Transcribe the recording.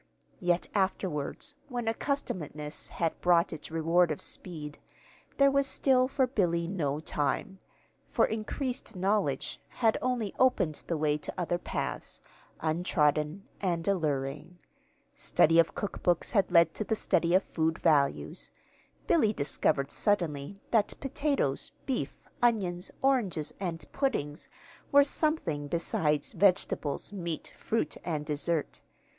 Yet afterwards, when accustomedness had brought its reward of speed, there was still for Billy no time; for increased knowledge had only opened the way to other paths, untrodden and alluring. Study of cookbooks had led to the study of food values. Billy discovered suddenly that potatoes, beef, onions, oranges, and puddings were something besides vegetables, meat, fruit, and dessert.